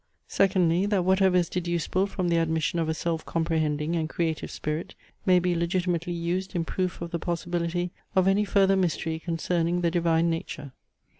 Secondly, that whatever is deducible from the admission of a self comprehending and creative spirit may be legitimately used in proof of the possibility of any further mystery concerning the divine nature.